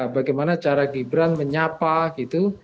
bagaimana cara gibran menyapa gitu